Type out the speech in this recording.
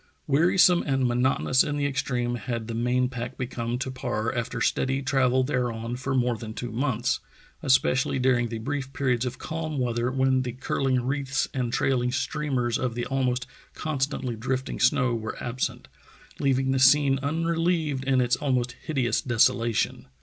Wearisome and monotonous in the extreme had the main pack become to Parr after steady travel thereon for more than two months, especially during the brief periods of calm weather when the curling wreaths and trailing streamers of the almost constantly drifting snow were absent, leaving the scene unrelieved in its almost hideous desolation.